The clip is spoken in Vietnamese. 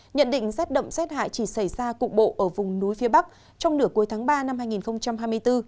nhận định rét đậm rét hại chỉ xảy ra cục bộ ở vùng núi phía bắc trong nửa cuối tháng ba năm hai nghìn hai mươi bốn